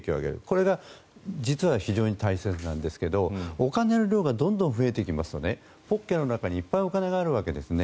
これが実は非常に大切なんですけどお金の量がどんどん増えていきますとポッケの中にいっぱいお金があるわけですね。